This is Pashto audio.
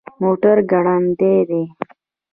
موټر ګړندی دی